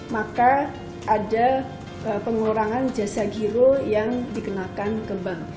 maka ada pengurangan jasa giro yang dikenakan ke bank